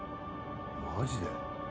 マジで？